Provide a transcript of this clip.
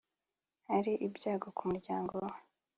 ari ibyago ku muryango we